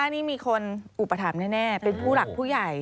นี่มีคนอุปถัมภ์แน่เป็นผู้หลักผู้ใหญ่